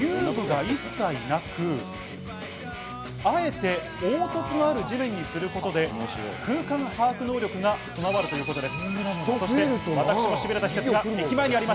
遊具が一切なく、あえて凹凸のあるジムにすることで、空間把握能力が備わるということです。